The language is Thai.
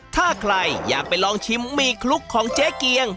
ถ้าใครอยากไปลองชิมหมี่คลุกของเจ๊เกียง